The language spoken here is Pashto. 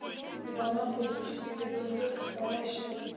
د بغلان په دوشي کې د ډبرو سکاره شته.